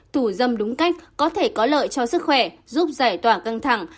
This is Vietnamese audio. thủ dâm đúng cách có thể có lợi cho sức khỏe giúp giải tỏa căng thẳng